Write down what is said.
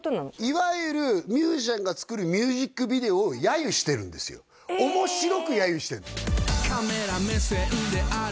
いわゆるミュージシャンが作るミュージックビデオを揶揄してるんですよ面白い！